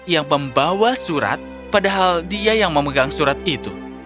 yang membawa surat padahal dia yang memegang surat itu